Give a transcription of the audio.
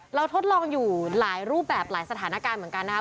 ทดลองอยู่หลายรูปแบบหลายสถานการณ์เหมือนกันนะครับ